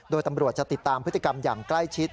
โดยตำรวจจะติดตามพฤติกรรมอย่างใกล้ชิด